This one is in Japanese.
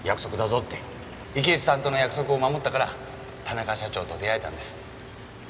池内さんとの約束を守ったから田中社長と出会えたんです。